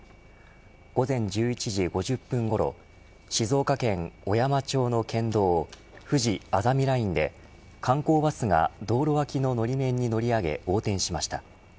午前１１時５０分ごろ静岡県小山町の県道ふじあざみラインで観光バスが道路わきののり面に乗り上げ横転しました。